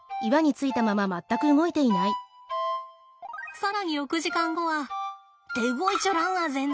更に６時間後はって動いちょらんわ全然！